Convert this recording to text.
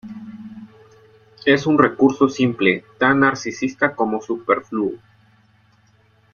Es un recurso simple, tan narcisista como superfluo.